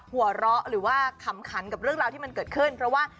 หัวเราะหรือว่าขำขันกับเรื่องราวที่มันเกิดขึ้นเพราะว่า